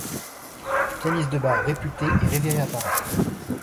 Pianiste de bar réputé et révéré à Paris.